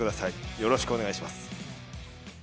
よろしくお願いします。